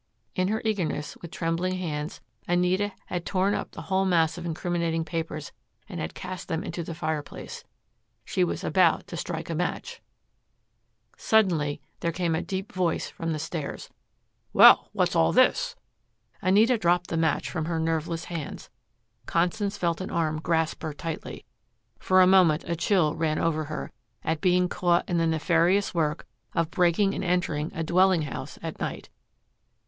In her eagerness, with trembling hands, Anita had torn up the whole mass of incriminating papers and had cast them into the fireplace. She was just about to strike a match. Suddenly there came a deep voice from the stairs. "Well what's all this?" Anita dropped the match from her nerveless hands. Constance felt an arm grasp her tightly. For a moment a chill ran over her at being caught in the nefarious work of breaking and entering a dwelling house at night.